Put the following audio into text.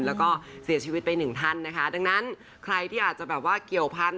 แล้วก็เสียชีวิตไปหนึ่งท่านนะคะดังนั้นใครที่อาจจะแบบว่าเกี่ยวพันธ